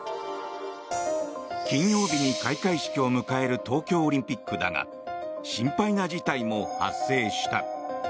金曜日に開会式を迎える東京オリンピックだが心配な事態も発生した。